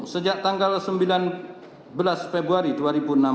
sejak tanggal sembilan belas februari dua ribu enam belas